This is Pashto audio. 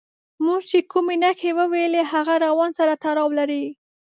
موږ چې کومې نښې وویلې هغه روان سره تړاو لري.